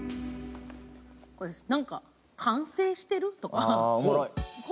ここです、何か完成してる？とか。